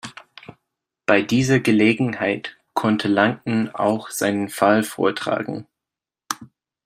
Bei dieser Gelegenheit konnte Langton auch seinen Fall vortragen.